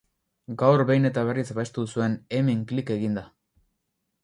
Gaur behin eta berriz abestu duzuen hemen klik eginda.